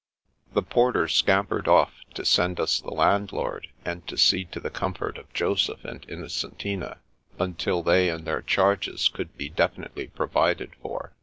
The porter scampered off to send us the landlord, and to see to the comfort of Joseph and Innocentina, until they and their charges could be definitely pro vided for.